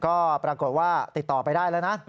ก็ปรากฏว่าติดต่อไปได้แล้วนะ